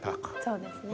そうですね。